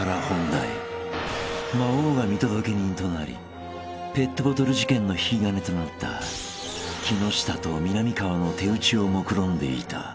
［魔王が見届け人となりペットボトル事件の引き金となった木下とみなみかわの手打ちをもくろんでいた］